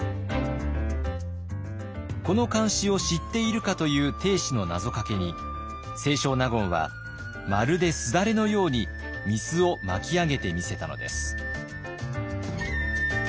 この漢詩を知っているかという定子の謎かけに清少納言はまるですだれのように御簾を巻き上げてみせたのです。